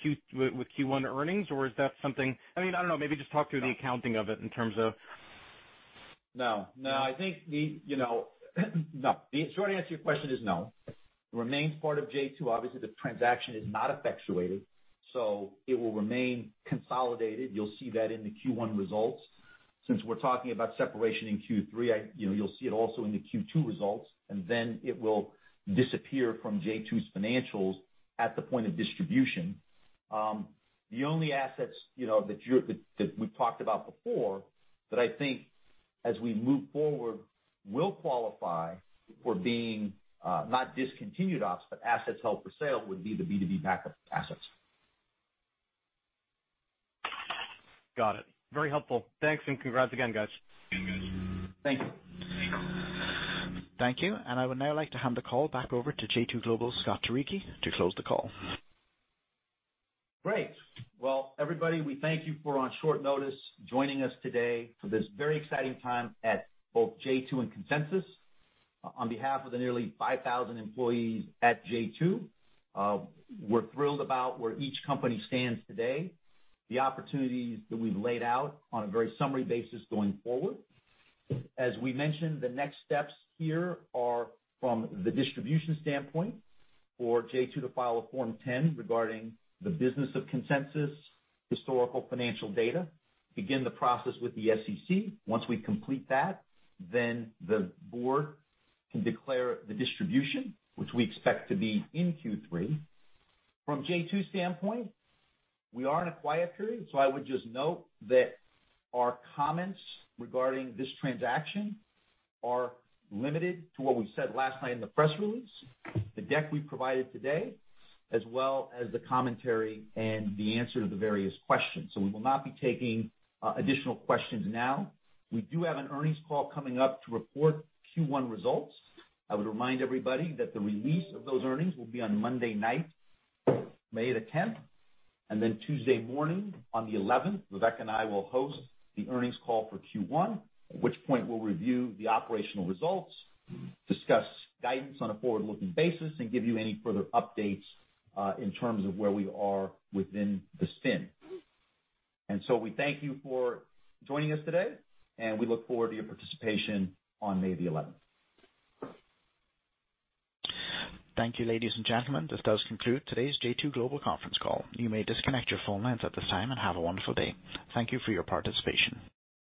S11: Q1 earnings? Is that something? I don't know. Maybe just talk through the accounting of it.
S2: No. The short answer to your question is no. It remains part of j2. Obviously, the transaction is not effectuated, so it will remain consolidated. You'll see that in the Q1 results. Since we're talking about separation in Q3, you'll see it also in the Q2 results, and then it will disappear from j2's financials at the point of distribution. The only assets that we've talked about before that I think as we move forward will qualify for being not discontinued ops, but assets held for sale would be the B2B backup assets.
S11: Got it. Very helpful. Thanks. Congrats again, guys.
S2: Thank you.
S1: Thank you. I would now like to hand the call back over to j2 Global's Scott Turicchi to close the call.
S2: Great. Well, everybody, we thank you for on short notice joining us today for this very exciting time at both j2 and Consensus. On behalf of the nearly 5,000 employees at j2, we're thrilled about where each company stands today, the opportunities that we've laid out on a very summary basis going forward. As we mentioned, the next steps here are from the distribution standpoint for j2 to file a Form 10 regarding the business of Consensus historical financial data, begin the process with the SEC. Once we complete that, the board can declare the distribution, which we expect to be in Q3. From j2's standpoint, we are in a quiet period. I would just note that our comments regarding this transaction are limited to what we said last night in the press release, the deck we provided today, as well as the commentary and the answer to the various questions. We will not be taking additional questions now. We do have an earnings call coming up to report Q1 results. I would remind everybody that the release of those earnings will be on Monday night, May the 10th, and then Tuesday morning on the 11th, Rebecca and I will host the earnings call for Q1, at which point we'll review the operational results, discuss guidance on a forward-looking basis, and give you any further updates, in terms of where we are within the spin. We thank you for joining us today, and we look forward to your participation on May the 11th.
S1: Thank you, ladies and gentlemen. This does conclude today's j2 Global conference call. You may disconnect your phone lines at this time, and have a wonderful day. Thank you for your participation.